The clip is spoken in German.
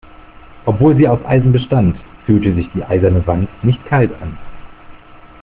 Obwohl sie aus Eisen bestand, fühlte sich die eiserne Wand nicht kalt an.